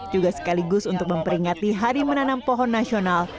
juga sekaligus untuk memperingati hari menanam pohon nasional